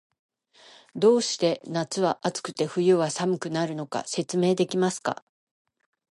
どうして夏は暑くて、冬は寒くなるのか、説明できますか？